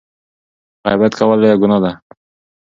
غیبت کول لویه ګناه ده.